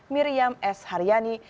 miriam s haryani